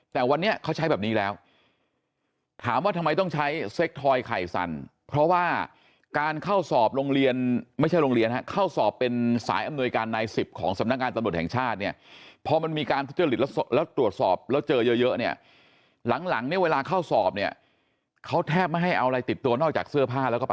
แต่วันนี้เขาใช้แบบนี้แล้วถามว่าทำไมต้องใช้เซ็กทอยไข่สั่นเพราะว่าการเข้าสอบโรงเรียนไม่ใช่โรงเรียนฮะเข้าสอบเป็นสายอำนวยการนายสิบของสำนักงานตำรวจแห่งชาติเนี่ยพอมันมีการทุจริตแล้วแล้วตรวจสอบแล้วเจอเยอะเนี่ยหลังเนี่ยเวลาเข้าสอบเนี่ยเขาแทบไม่ให้เอาอะไรติดตัวนอกจากเสื้อผ้าแล้วก็ไป